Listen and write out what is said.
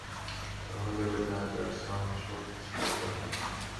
নাহলে ঐ লাইট আর সাউন্ড শো মিস হয়ে যাবে।